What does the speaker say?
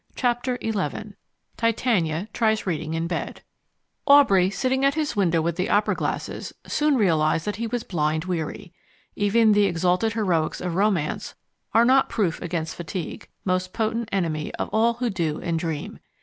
Chapter XI Titania Tries Reading in Bed Aubrey, sitting at his window with the opera glasses, soon realized that he was blind weary. Even the exalted heroics of romance are not proof against fatigue, most potent enemy of all who do and dream.